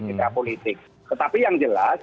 mitra politik tetapi yang jelas